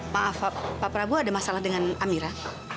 pak prabowo ada masalah dengan amira